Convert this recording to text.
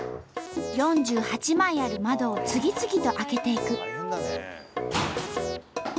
４８枚ある窓を次々と開けていく。